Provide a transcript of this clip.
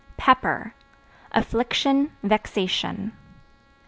Pepper Affliction, vexation.